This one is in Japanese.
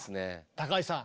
高橋さん